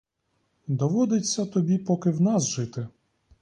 Доводиться тобі поки в нас жити.